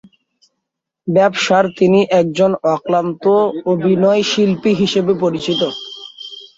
ব্যবসার তিনি একজন অক্লান্ত অভিনয়শিল্পী হিসাবে পরিচিত।